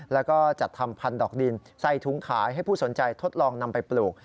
แล้วก็จัดทำพันธอกดินใส่ถุงขายให้ผู้สนใจทดลองนำไปปลูก